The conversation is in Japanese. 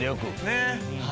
ねえ。